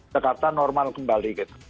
jakarta normal kembali gitu